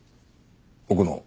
奥野